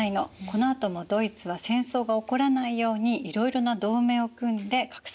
このあともドイツは戦争が起こらないようにいろいろな同盟を組んで画策をしているの。